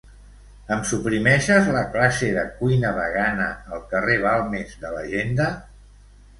Em suprimeixes la classe de cuina vegana al carrer Balmes de l'agenda?